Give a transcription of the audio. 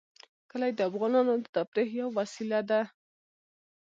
کلي د افغانانو د تفریح یوه وسیله ده.